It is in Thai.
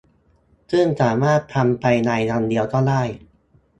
ซึ่งสามารถทำภายในวันเดียวก็ได้